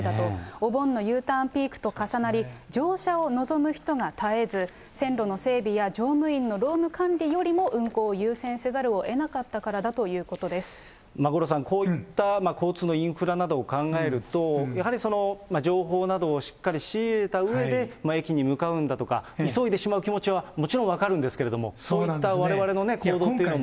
お盆のＵターンピークと重なり、乗車を望む人が絶えず、線路の整備や乗務員の労務管理よりも運行を優先せざるをえなかっ五郎さん、こういった交通のインフラなどを考えると、やはりその、情報などをしっかり仕入れたうえで駅に向かうんだとか、急いでしまう気持ちはもちろん分かるんですけれども、そういったわれわれの行動というのも。